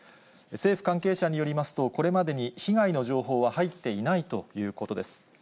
政府関係者によりますと、これまでに被害の情報は入っていないということです。